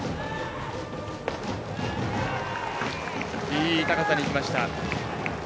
いい高さにきました。